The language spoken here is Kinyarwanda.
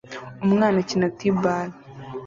Umwana akina T-ball